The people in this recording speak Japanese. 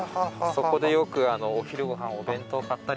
そこでよくお昼ご飯お弁当買ったりとか。